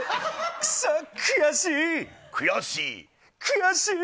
悔しい！